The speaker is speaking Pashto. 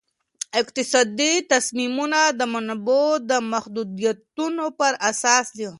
اقتصادي تصمیمونه د منابعو د محدودیتونو پر اساس دي.